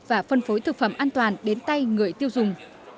và phân phối thực phẩm an toàn đến tay người tiêu dùng